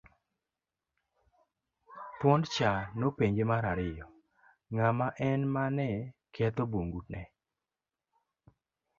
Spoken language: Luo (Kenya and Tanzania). Thuondcha nopenje mar ariyo ng'ama en mane ketho bungu ne.